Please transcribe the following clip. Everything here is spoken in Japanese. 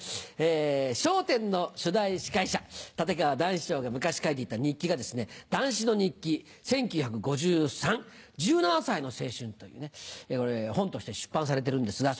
『笑点』の初代司会者立川談志師匠が昔書いていた日記が『談志の日記１９５３１７歳の青春』という本として出版されてるんですが。